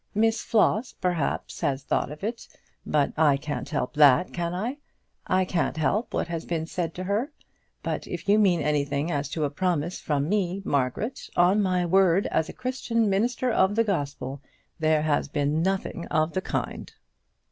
Miss Floss, perhaps, has thought of it; but I can't help that, can I? I can't help what has been said to her. But if you mean anything as to a promise from me, Margaret, on my word as a Christian minister of the Gospel, there has been nothing of the kind."